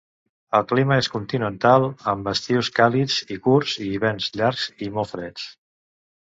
El clima és continental amb estius càlids i curts i hiverns llargs i molt freds.